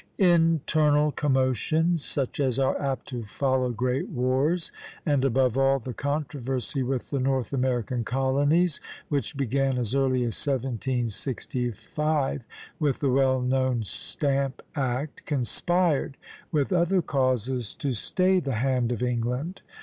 Internal commotions, such as are apt to follow great wars, and above all the controversy with the North American colonies, which began as early as 1765 with the well known Stamp Act, conspired with other causes to stay the hand of England.